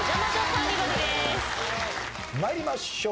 参りましょう。